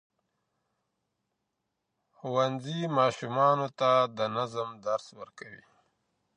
ښوونځي ماشومانو ته د نظم درس ورکوي.